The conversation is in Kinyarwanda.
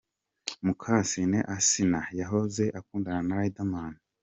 Mukasine Asnah: yahoze akundana na Riderman.